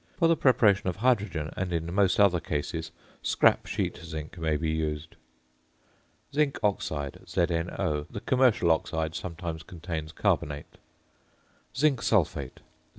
For the preparation of hydrogen, and in most other cases, scrap sheet zinc may be used. ~Zinc Oxide~, ZnO. The commercial oxide sometimes contains carbonate. ~Zinc Sulphate~, ZnSO_.